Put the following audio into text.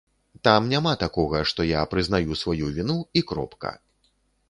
Там няма такога, што я прызнаю сваю віну, і кропка.